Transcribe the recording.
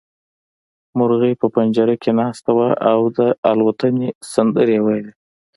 مرغۍ په پنجره کې ناسته وه او د الوتنې سندرې يې ويلې.